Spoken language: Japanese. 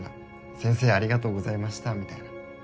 「先生ありがとうございました」みたいな。